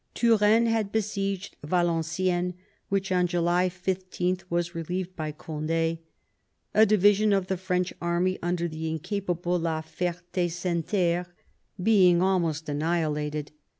Turenne had besieged Valenciennes, which on July 15 was relieved by Cond^ a division of the French army under the incapable la Fert^ Senneterre being almost annihilated.